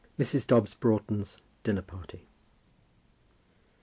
MRS. DOBBS BROUGHTON'S DINNER PARTY.